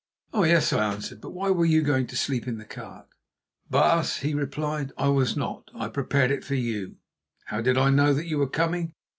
"Oh, yes!" I answered; "but why were you going to sleep in the cart?" "Baas," he replied, "I was not; I prepared it for you. How did I know that you were coming?